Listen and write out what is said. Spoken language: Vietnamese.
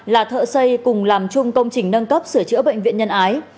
là thợ xây cùng làm chung công trình nâng cấp sửa chữa bệnh viện nhân ái